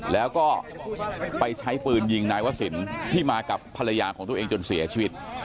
แล้วก็ไปใช้ปืนยิงนายวะสินที่มากับภรรยาของตัวเองจนเสียชีวิต